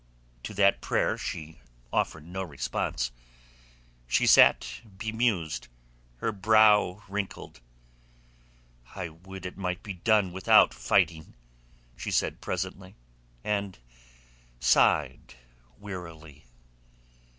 To that prayer she offered no response. She sat bemused, her brow wrinkled. "I would it might be done without fighting," she said presently, and sighed wearily.